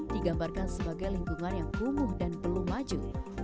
digambarkan sebagai lingkungan yang kumuh dan belum maju